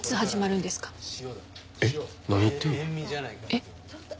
えっ。